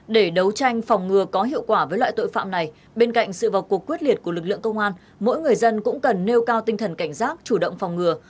để đấu tranh phòng ngừa có hiệu quả với loại tội phạm này bên cạnh sự vào cuộc quyết liệt của lực lượng công an mỗi người dân cũng cần nêu cao tinh thần cảnh giác chủ động phòng ngừa